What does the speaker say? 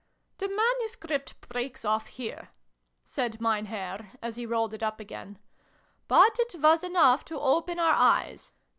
" The manuscript breaks off here," said Mein Herr, as he rolled it up again; "but it was enough to open our eyes.